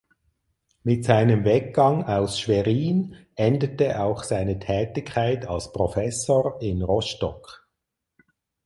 Mit seinem Weggang aus Schwerin endete auch seine Tätigkeit als Professor in Rostock.